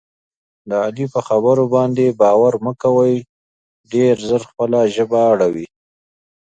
د علي په خبرو باندې باور مه کوئ. ډېر زر خپله ژبه اړوي.